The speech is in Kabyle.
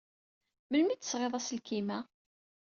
Melmi ay d-tesɣid aselkim-a?